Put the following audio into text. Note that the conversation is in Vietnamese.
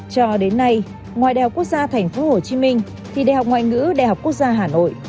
cho đến nay ngoài đh quốc gia tp hcm thì đh ngoại ngữ đh quốc gia hà nội